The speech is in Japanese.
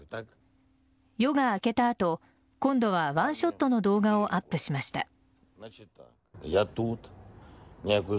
夜が開けた後今度はワンショットの動画をアップしました。